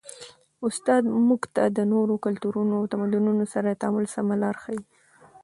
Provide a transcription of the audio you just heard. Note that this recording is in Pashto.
استاد موږ ته د نورو کلتورونو او تمدنونو سره د تعامل سمه لاره ښيي.